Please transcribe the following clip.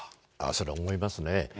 それは思いますね。